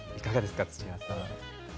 土屋さん。